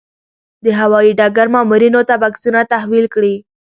د هوايي ډګر مامورینو ته بکسونه تحویل کړي.